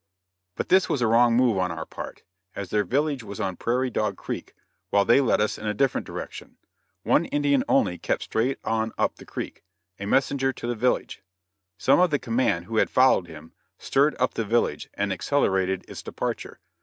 But this was a wrong move on our part, as their village was on Prairie Dog Creek, while they led us in a different direction; one Indian only kept straight on up the creek a messenger to the village. Some of the command, who had followed him, stirred up the village and accelerated its departure.